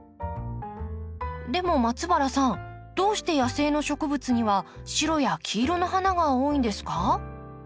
でも松原さんどうして野生の植物には白や黄色の花が多いんですか？